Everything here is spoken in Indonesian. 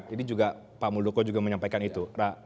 ini juga pak muldoko juga menyampaikan itu